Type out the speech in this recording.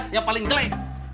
yang paling kelek